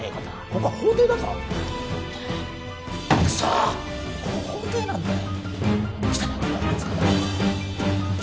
ここ法廷なんだよ